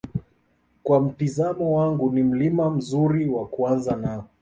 kwa mtizamo wangu ni Mlima mzuri wa kuanza nao